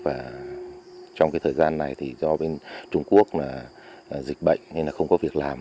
và trong cái thời gian này thì do bên trung quốc là dịch bệnh nên là không có việc làm